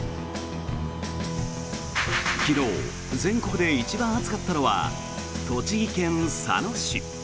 昨日、全国で一番暑かったのは栃木県佐野市。